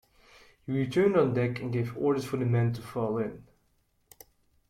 He returned on deck and gave orders for the men to fall in.